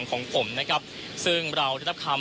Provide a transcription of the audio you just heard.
คุณทัศนาควดทองเลยค่ะ